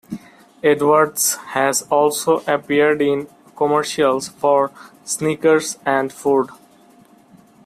Edwards has also appeared in commercials for Snickers and Ford.